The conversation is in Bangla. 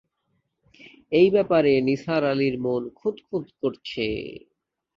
এই ব্যাপারে নিসার আলির মন খুঁতখুঁত করছে।